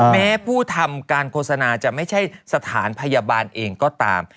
แม้ผู้ทำการโฆษณาจะไม่ใช่สถานพยาบาลเองก็ตาม